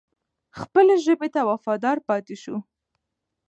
خپلې ژبې ته وفادار پاتې شو.